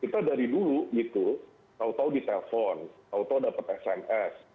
kita dari dulu gitu tau tau di telpon tau tau dapet sms